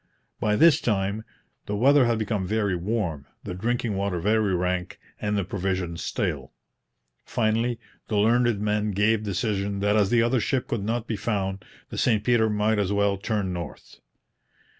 By this time the weather had become very warm, the drinking water very rank, and the provisions stale. Finally, the learned men gave decision that as the other ship could not be found the St Peter might as well turn north.